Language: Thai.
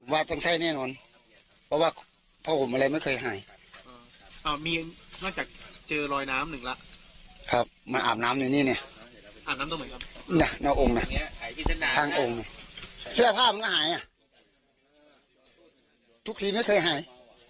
วาดต้องใช้แน่นอนว่าพอห่มอะไรไม่เคยหายมาอาบน้ำเลยนี้เนี่ยทำไมเนี่ยแส่ภาพไหลอ่ะทุกทีไม่เคยหาย